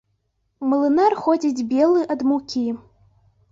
Млынар ходзіць белы ад мукі.